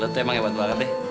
lo tuh emang hebat banget deh